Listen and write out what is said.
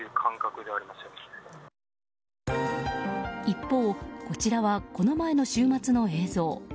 一方、こちらはこの前の週末の映像。